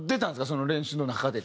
その練習の中で。